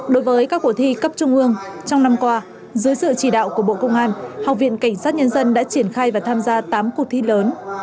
đối với các cuộc thi cấp trung ương trong năm qua dưới sự chỉ đạo của bộ công an học viện cảnh sát nhân dân đã triển khai và tham gia tám cuộc thi lớn